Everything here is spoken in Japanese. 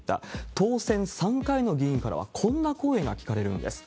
当選３回の議員からはこんな声が聞かれるんです。